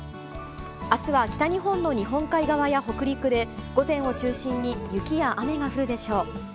明日は北日本の日本海側や北陸で午前を中心に雪や雨が降るでしょう。